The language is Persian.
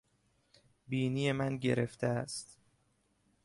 بینی من گرفته است.